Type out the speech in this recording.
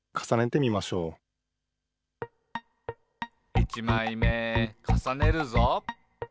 「いちまいめかさねるぞ！」